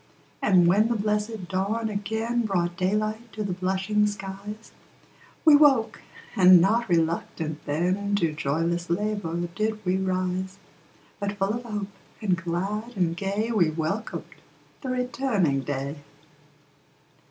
And when the blessed dawn again Brought daylight to the blushing skies, We woke, and not RELUCTANT then, To joyless LABOUR did we rise; But full of hope, and glad and gay, We welcomed the returning day.